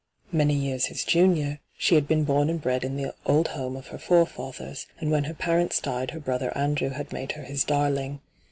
Many years his junior, she had been bom and bred in the old home of her forefathers, and when her parents died her brother Andrew had made her his darling.